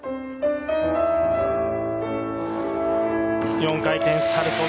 ４回転サルコウ